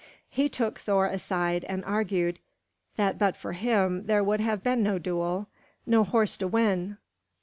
He took Thor aside and argued that but for him there would have been no duel, no horse to win.